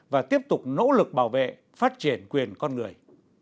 và tiếp tục nỗ lực bảo vệ phát triển quyền con người